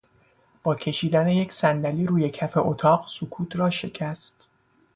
با کشیدن یک صندلی روی کف اتاق سکوت را شکست.